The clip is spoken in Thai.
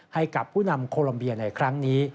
ให้กับผู้นำโคลัมเบียในครั้งนี้